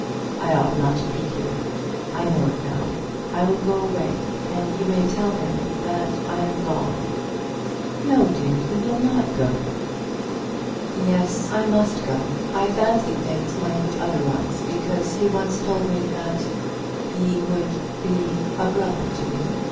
I ought not to be here. I know it now. I will go away, and you may tell him that I am gone." "No, dear; you will not go." "Yes; I must go. I fancied things might be otherwise, because he once told me that he would be a brother to me.